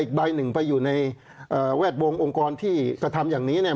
ใบหนึ่งไปอยู่ในแวดวงองค์กรที่กระทำอย่างนี้เนี่ย